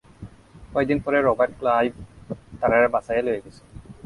কিছুকাল পরে Robert Clive তাদের বাঁচিয়ে নিয়ে যান।